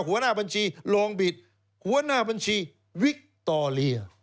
หัวหน้าบัญชีลองบิดหัวหน้าบัญชีวิคตอเลีย